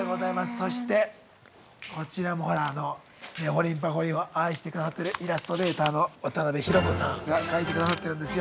そしてこちらもほらあの「ねほりんぱほりん」を愛してくださってるイラストレーターの渡辺裕子さんが描いてくださってるんですよ。